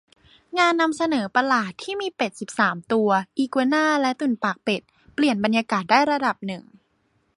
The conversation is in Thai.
งานนำเสนอประหลาดที่มีเป็ดสิบสามตัว อีกัวน่า และตุ่นปากเป็ด เปลี่ยนบรรยากาศได้ระดับหนึ่ง